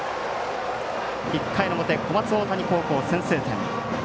１回の表、小松大谷高校が先制点。